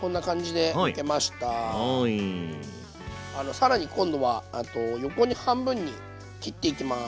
更に今度は横に半分に切っていきます。